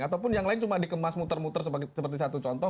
ataupun yang lain cuma dikemas muter muter seperti satu contoh